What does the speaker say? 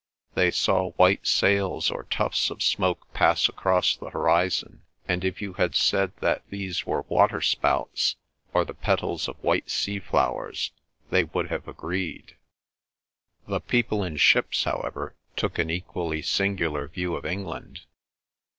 They saw white sails or tufts of smoke pass across the horizon, and if you had said that these were waterspouts, or the petals of white sea flowers, they would have agreed. The people in ships, however, took an equally singular view of England.